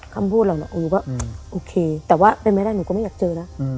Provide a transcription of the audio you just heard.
คำพูดเหล่านั้นโอ้ก็โอเคแต่ว่าเป็นไม่ได้หนูก็ไม่อยากเจอนะ